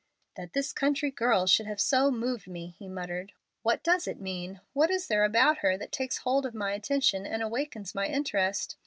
"That this country girl should have so moved me!" he muttered. "What does it mean? What is there about her that takes hold of my attention and awakens my interest?